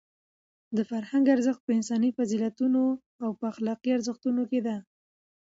د فرهنګ ارزښت په انساني فضیلتونو او په اخلاقي ارزښتونو کې دی.